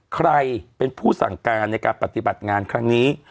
ใครเป็นผู้สั่งการในการปฏิบัติงานครั้งนี้